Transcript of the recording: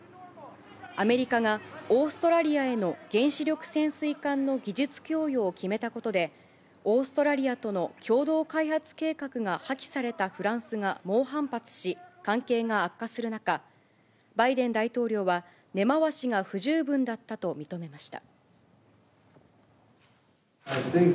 アメリカがオーストラリアへの原子力潜水艦の技術供与を決めたことで、オーストラリアとの共同開発計画が破棄されたフランスが猛反発し、関係が悪化する中、バイデン大統領は根回しが不十分だったと認めました。